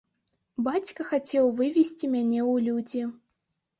Бацька хацеў вывесці мяне ў людзі.